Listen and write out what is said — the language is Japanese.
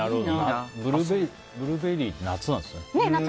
ブルーベリーって夏なんですね。